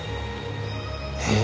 えっ？